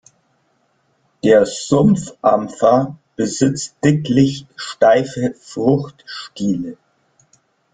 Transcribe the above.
Der Sumpf-Ampfer besitzt dicklich steife Fruchtstiele.